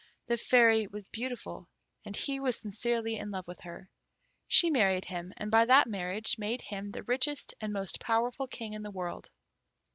The Fairy was beautiful, and he was sincerely in love with her. She married him, and by that marriage made him the richest and most powerful King in the world.